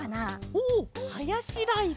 おおハヤシライス！